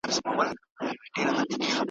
چي تر کور پوري به وړي د سپیو سپکه `